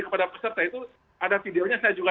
kepada peserta itu ada videonya saya juga